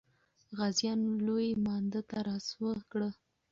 غازیان لوی مانده ته را سوه کړه.